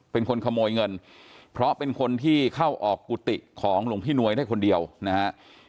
เป็นคนขโมยเงินเพราะเป็นคนที่เข้าออกกุฏิของหลวงพี่นวยได้คนเดียวนะฮะ